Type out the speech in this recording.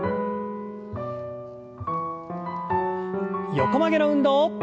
横曲げの運動。